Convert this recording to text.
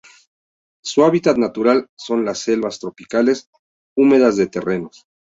Su hábitat natural son las selvas tropicales húmedas de terrenos.